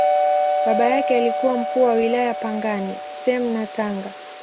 Baba yake alikuwa Mkuu wa Wilaya Pangani, Same na Tanga.